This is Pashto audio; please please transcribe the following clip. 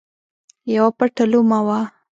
یوه پټه لومه وه.